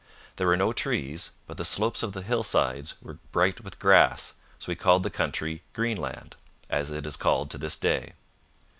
There were no trees, but the slopes of the hillsides were bright with grass, so he called the country Greenland, as it is called to this day.